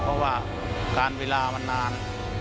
เพราะว่าการเวลามันนาน